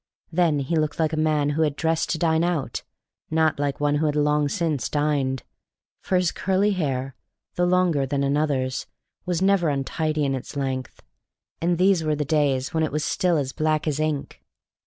Then he looked like a man who had dressed to dine out, not like one who had long since dined; for his curly hair, though longer that another's, was never untidy in its length; and these were the days when it was still as black as ink.